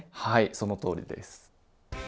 はいそのとおりです。